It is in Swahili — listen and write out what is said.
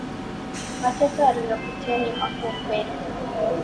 Mateso aliyopitia ni makuu ukweli